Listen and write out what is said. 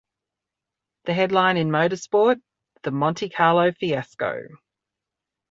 The headline in "Motor Sport": "The Monte Carlo Fiasco.